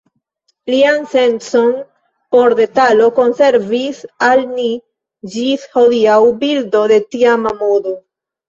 Lian sencon por detalo konservis al ni ĝis hodiaŭ bildo de tiama modo.